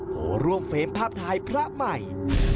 โผล่ร่วมเฟรมภาพทายพระใหม่